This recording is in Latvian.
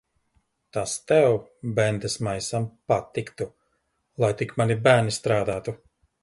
Tas tev, bendesmaisam, patiktu. Lai tik mani bērni strādātu.